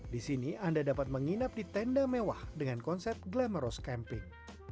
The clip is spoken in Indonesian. di sini anda dapat menginap di tenda mewah dengan konsep glamorous camping